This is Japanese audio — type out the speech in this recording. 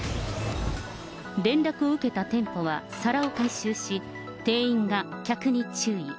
連絡を受けた店舗は皿を回収し、店員が客に注意。